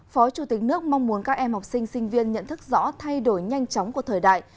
phó chủ tịch nước mong muốn các em học sinh sinh viên nhận thức rõ thay đổi nhanh chóng của thời đại